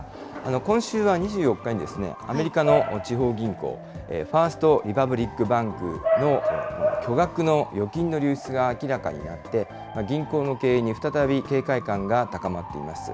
今週は２４日にアメリカの地方銀行、ファースト・リパブリック・バンクの巨額の預金の流出が明らかになって、銀行の経営に再び警戒感が高まっています。